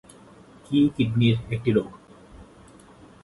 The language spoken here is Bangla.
কি কিডনির একটি রোগ?